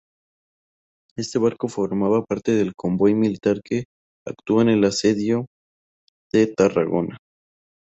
Este barco formaba parte del convoy militar que actuó en el asedio de Tarragona.